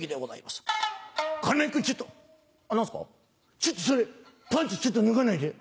「ちょっとそれパンツちょっと脱がないで」。